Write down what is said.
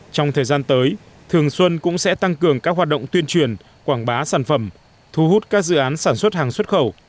trong thời gian tới thường xuân cũng sẽ tăng cường các hoạt động tuyên truyền quảng bá sản phẩm thu hút các dự án sản xuất hàng xuất khẩu